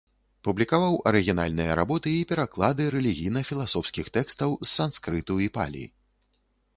Публікаваў арыгінальныя работы і пераклады рэлігійна-філасофскіх тэкстаў з санскрыту і палі.